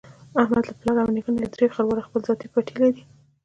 احمد له پلار او نیکه نه درې خرواره خپل ذاتي پټی لري.